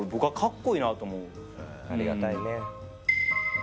ありがたいね。